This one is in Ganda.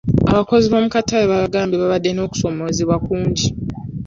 Abakozi b'omukatale baagambye baabadde n'okusoomozebwa kungi.